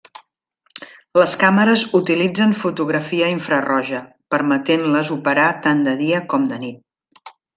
Les càmeres utilitzen fotografia infraroja, permetent-les operar tant de dia com de nit.